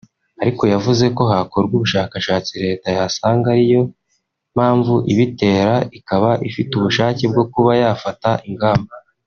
ariko yavuze ko hakorwa ubushakashatsi Leta yasanga ari yo mpamvu ibitera ikaba ifite ubushake bwo kuba yafata ingamba